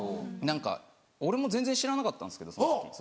何か俺も全然知らなかったんですけどその時。